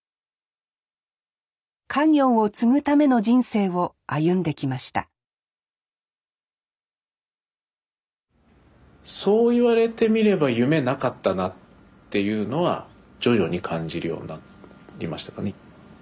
家業を継ぐための人生を歩んできましたそう言われてみれば夢なかったなっていうのは徐々に感じるようになりましたかね。